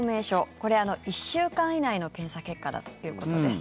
これは１週間以内の検査結果だということです。